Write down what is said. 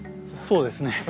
そうですね。